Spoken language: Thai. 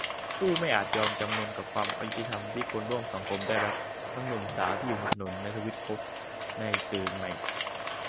ผู้ไม่อาจยอมจำนนกับความอยุติธรรมที่คนร่วมสังคมได้รับ ทั้งหนุ่มสาวที่อยู่บนถนน ในทวิตภพ ในสื่อใหม่